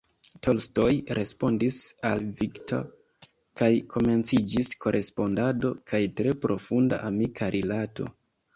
Tolstoj respondis al Victor kaj komenciĝis korespondado kaj tre profunda amika rilato.